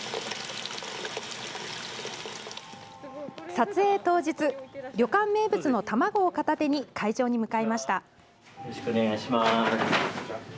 撮影当日旅館名物の卵を片手に会場に向かいました。